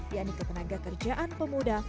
yaitu kekenaga kerjaan pemuda